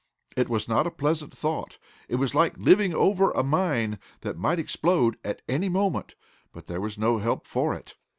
It was not a pleasant thought it was like living over a mine, that might explode at any moment. But there was no help for it.